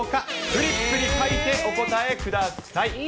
フリップに書いてお答えください。